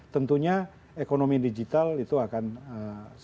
tentunya ekonomi digital itu akan sangat